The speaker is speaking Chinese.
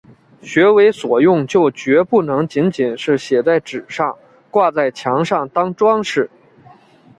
学为所用就决不能仅仅是写在纸上、挂在墙上当‘装饰’